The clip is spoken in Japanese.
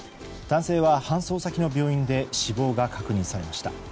男性は搬送先の病院で死亡が確認されました。